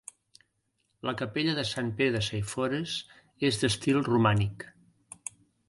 La Capella de Sant Pere de Saifores és d'estil romànic.